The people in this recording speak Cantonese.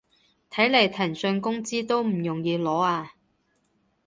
睇來騰訊工資都唔容易攞啊